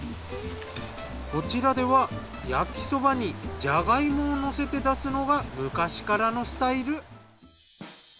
こちらでは焼きそばにじゃが芋を乗せて出すのが昔からのスタイル。